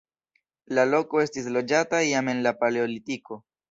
La loko estis loĝata jam en la paleolitiko.